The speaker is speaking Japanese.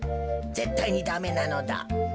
ぜったいにダメなのだ。